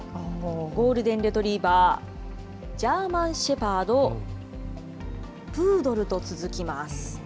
ゴールデンレトリーバー、ジャーマンシェパード、プードルと続きます。